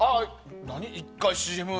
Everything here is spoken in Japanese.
１回、ＣＭ？